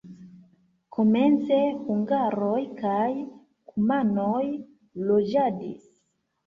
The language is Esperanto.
Komence hungaroj kaj kumanoj loĝadis.